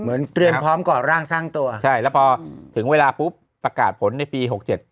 เหมือนเตรียมพร้อมก่อร่างสร้างตัวใช่แล้วพอถึงเวลาปุ๊บประกาศผลในปีหกเจ็ด